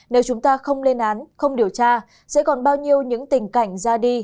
nếu chúng ta không lên án không điều tra sẽ còn bao nhiêu những tình cảnh ra đi